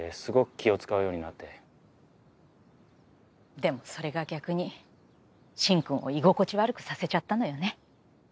でもそれが逆に進くんを居心地悪くさせちゃったのよね。